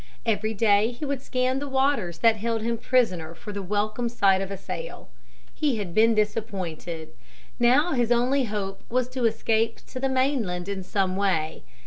Every day he would scan the waters that held him prisoner for the welcome sight of a sail. He had been disappointed. Now his only hope was to escape to the mainland in some way.